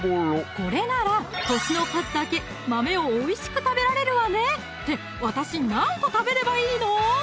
これなら年の数だけ豆をおいしく食べられるわね！って私何個食べればいいの？